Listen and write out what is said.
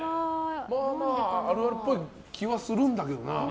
あるあるっぽい気はするんだけどな。